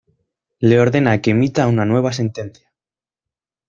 Le ordena que emita una nueva sentencia.